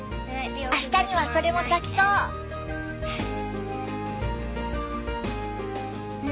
あしたにはそれも咲きそう。